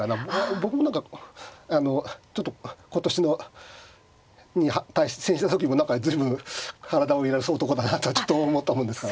僕も何かちょっと今年に対戦した時も随分体を揺らす男だなと思ったもんですからね。